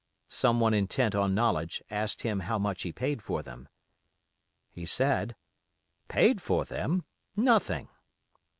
Some one intent on knowledge asked him how much he paid for them? "He said, 'Paid for them! Nothing.